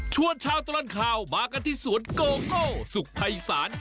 ชวนเช้าตลัดข่าวมากันที่สวนโกโก้สุขไพรศาล